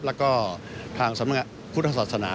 แล้วก็ทางสำนักพุทธศาสนา